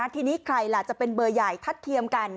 ทีนี้ใครล่ะจะเป็นเบอร์ใหญ่ทัดเทียมกัน